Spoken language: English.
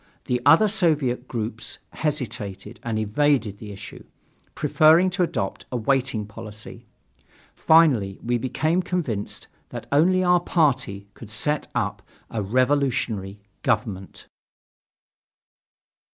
The other Soviet groups hesitated and evaded the issue, preferring to adopt a waiting policy. Finally we became convinced that only our party could set up a revolutionary government.